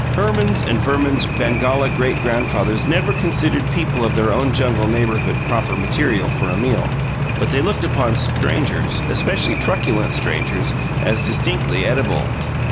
Herman's and Verman's Bangala great grandfathers never considered people of their own jungle neighbourhood proper material for a meal, but they looked upon strangers especially truculent strangers as distinctly edible.